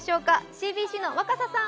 ＣＢＣの若狭さん。